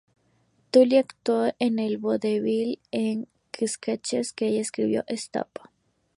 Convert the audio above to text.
Tully actuó en el vodevil en sketches que ella escribió, "Stop!